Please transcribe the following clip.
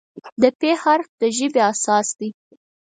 د "پ" حرف د ژبې اساس دی.